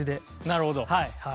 なるほど。